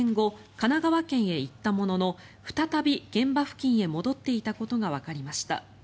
神奈川県へ行ったものの再び現場付近へ戻っていたことがわかりました。